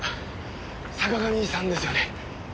坂上さんですよね？